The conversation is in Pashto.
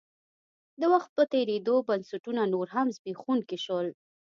د وخت په تېرېدو بنسټونه نور هم زبېښونکي شول.